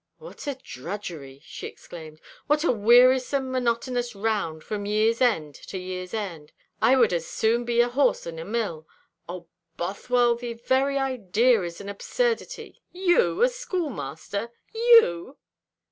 "What a drudgery!" she exclaimed; "what a wearisome monotonous round, from year's end to year's end! I would as soon be a horse in a mill. O Bothwell, the very idea is an absurdity. You a schoolmaster! You!"